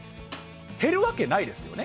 減るわけないですよね。